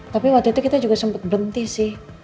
tapi waktu itu kita juga sempat berhenti sih